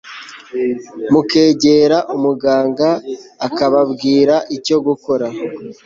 mukegera muganga akababwira icyo gukora